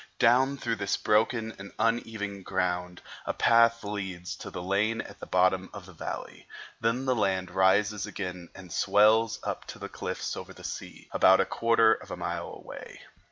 Down through this broken and uneven ground a path leads to the lane at the bottom of the valley; then the land rises again and swells up to the cliffs over the sea, about a quarter of a mile away.